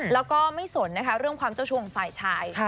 แล้วก็ไม่สนนะคะเรื่องความเจ้าชูของฝ่ายชาย